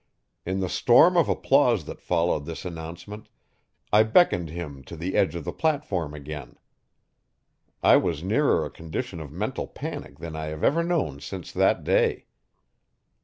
In the storm of applause that followed this announcement, I beckoned him to the edge of the platform again. I was nearer a condition of mental panic than I have ever known since that day.